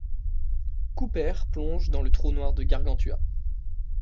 Cooper plonge dans le trou noir de Gargantua.